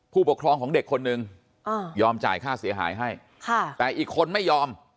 ผู้ปกครองของเด็กคนนึงยอมจ่ายค่าเสียหายให้แต่อีกคนไม่ยอม